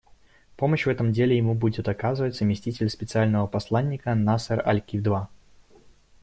Помощь в этом деле ему будет оказывать заместитель Специального посланника Насер аль-Кидва.